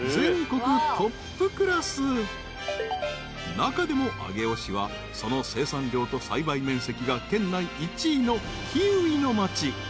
［中でも上尾市はその生産量と栽培面積が県内１位のキウイの町］